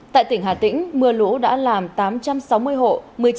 tại tỉnh hà tĩnh mưa lũ đã làm tám trăm sáu mươi hộ